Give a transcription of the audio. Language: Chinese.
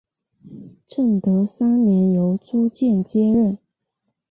正德三年由朱鉴接任。